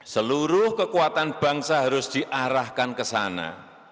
seluruh kekuatan bangsa harus diarahkan ke sana